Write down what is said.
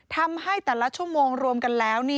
ทำให้แต่ละชั่วโมงรวมกันแล้ว